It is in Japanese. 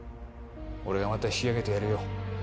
俺がまた引き上げてやるよ